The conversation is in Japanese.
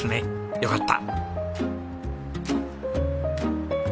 よかった。